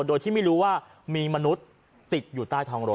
โดยที่ไม่รู้ว่ามีมนุษย์ติดอยู่ใต้ท้องรถ